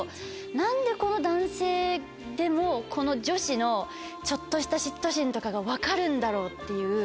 何でこの男性でもこの女子のちょっとした嫉妬心とかが分かるんだろうっていう。